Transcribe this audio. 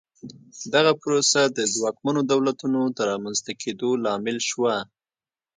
دغه پروسه د ځواکمنو دولتونو د رامنځته کېدو لامل شوه.